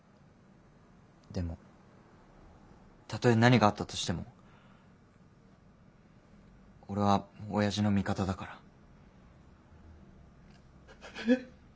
でもたとえ何があったとしても俺は親父の味方だから。